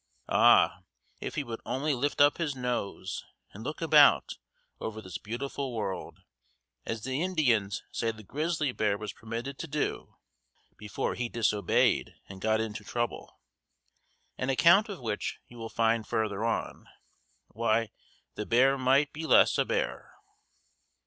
Ah! if he would only lift up his nose and look about over this beautiful world, as the Indians say the grizzly bear was permitted to do before he disobeyed and got into trouble, an account of which you will find further on, why, the bear might be less a bear.